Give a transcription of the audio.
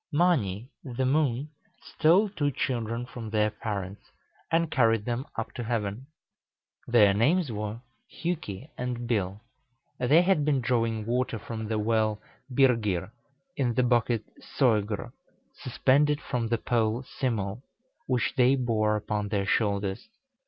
Mâni, the moon, stole two children from their parents, and carried them up to heaven. Their names were Hjuki and Bil. They had been drawing water from the well Byrgir, in the bucket Sœgr, suspended from the pole Simul, which they bore upon their shoulders.